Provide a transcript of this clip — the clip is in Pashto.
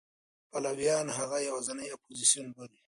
پلویان هغه یوازینی اپوزېسیون بولي.